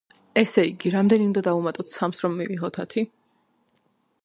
ესე იგი, რამდენი უნდა დავუმატოთ სამს რომ მივიღოთ ათი?